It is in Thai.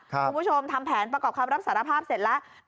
ทำแผนประกอบคำรับสารภาพเสร็จแล้ว